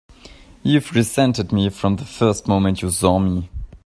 You've resented me from the first moment you saw me!